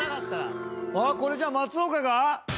これじゃあ松岡が。